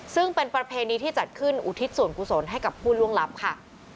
ซึ่งเป็นประเพณีที่จัดขึ้นอุทิศส่วนกุศลให้กับผู้ล่วงลับค่ะ